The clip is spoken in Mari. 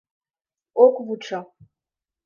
Ок вучо!